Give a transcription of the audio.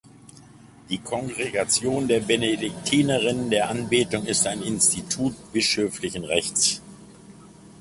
Die Kongregation der Benediktinerinnen der Anbetung ist ein Institut bischöflichen Rechts.